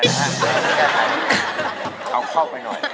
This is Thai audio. หย่อหย่อสัพโว้ย